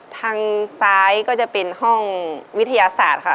ทางซ้ายก็จะเป็นห้องวิทยาศาสตร์ค่ะ